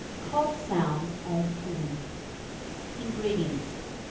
COD SOUNDS, EN POULE. 234. INGREDIENTS.